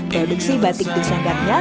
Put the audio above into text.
produksi batik di sanggarnya